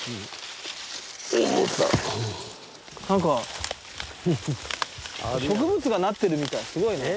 なんか植物がなってるみたいすごいね。